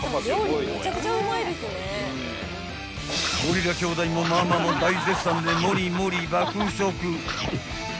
［ゴリラ兄弟もママも大絶賛でもりもり爆食］